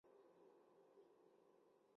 鸦跖花为毛茛科鸦跖花属下的一个种。